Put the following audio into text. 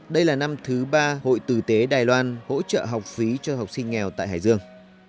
đây là năm thứ ba hội tử tế đài loan hỗ trợ học phí cho học sinh nghèo tại hải dương